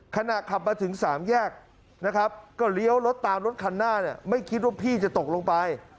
ขณะขับมาถึงสามแยกนะครับก็เลี้ยวรถตามรถคันหน้าเนี่ยไม่คิดว่าพี่จะตกลงไป